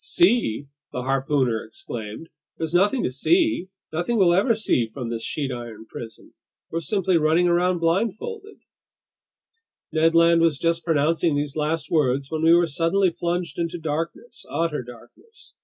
"See!" the harpooner exclaimed. "There's nothing to see, nothing we'll ever see from this sheet iron prison! We're simply running around blindfolded—" Ned Land was just pronouncing these last words when we were suddenly plunged into darkness, utter darkness.